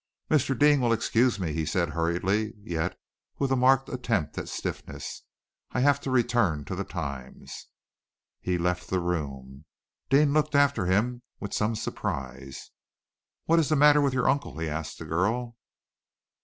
"Mr. Deane will excuse me," he said hurriedly, yet with a marked attempt at stiffness. "I have to return the Times." He left the room. Deane looked after him with some surprise. "What is the matter with your uncle?" he asked the girl.